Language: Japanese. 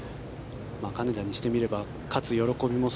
金田にしてみれば勝つ喜びも